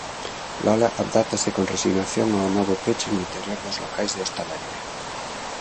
Lola adáptase con resignación ao novo peche no interior dos locais de hostalaría.